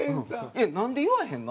なんで言わへんの？